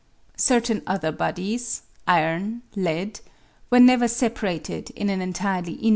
Certain other bodies (iron, lead) were never separated in an entirely inadive state.